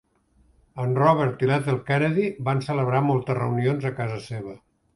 En Robert i l'Ethel Kennedy van celebrar moltes reunions a casa seva.